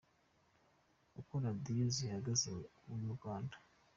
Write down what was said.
Uko radiyo zihagaze ubu mu Rwanda.